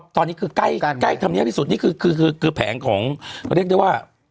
ตอนนี้คือใกล้ธรรมะที่สุดนี่คือแผงของเรียกได้ว่า